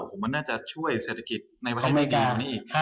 โอ้โหมันน่าจะช่วยเศรษฐกิจในประเทศไม่ดีอย่างนี้อีก